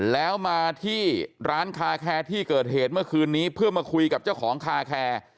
แล้วมาที่ร้านคาแคร์ที่เกิดเหตุเมื่อคืนนี้เพื่อมาคุยกับเจ้าของคาแคร์